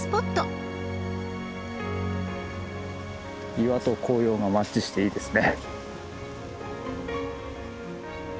岩と紅葉がマッチしていいですね。